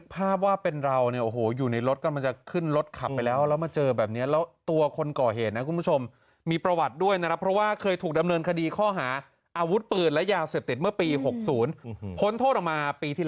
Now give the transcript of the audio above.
เปิดเปิดเปิดเปิดเปิดเปิดเปิดเปิดเปิดเปิดเปิดเปิดเปิดเปิดเปิดเปิดเปิด